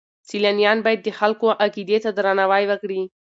سیلانیان باید د خلکو عقیدې ته درناوی وکړي.